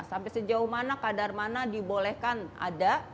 sampai sejauh mana kadar mana dibolehkan ada